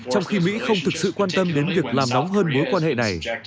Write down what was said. trong khi mỹ không thực sự quan tâm đến việc làm nóng hơn mối quan hệ này